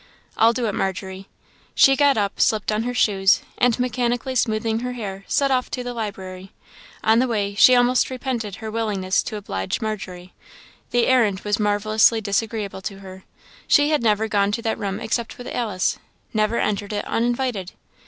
"I'll do it, Margery." She got up, slipped on her shoes, and mechanically smoothing her hair, set off to the library. On the way, she almost repented her willingness to oblige Margery; the errand was marvellously disagreeable to her. She had never gone to that room except with Alice never entered it uninvited.